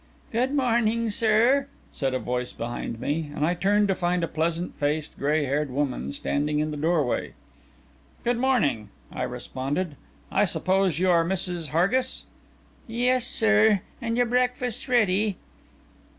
"Good morning, sir," said a voice behind me, and I turned to find a pleasant faced, grey haired woman standing in the doorway. "Good morning," I responded. "I suppose you are Mrs. Hargis?" "Yes, sir; and your breakfast's ready."